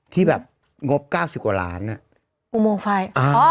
ที่แบบงบเก้าสิบกว่าล้านอุโมงไฟ